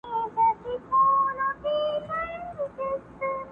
یوه ورځ په دې جرګه کي آوازه سوه!.